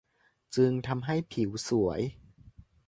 จึงทำให้ผิวสวย